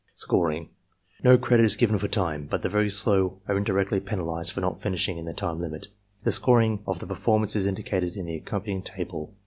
Scoring. — ^No credit is given for time, but the very slow are indirectly penalized by not finishing in the time limit. The scoring of the performance is indicated in the accompanying table.